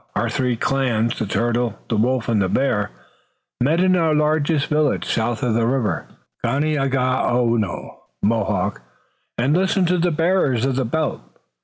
Our three clans, the Turtle, the Wolf and the Bear, met in our largest village south of the river, Ganeagaono (Mohawk), and listened to the bearers of the belts.